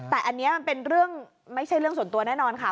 แต่อันนี้มันเป็นเรื่องไม่ใช่เรื่องส่วนตัวแน่นอนค่ะ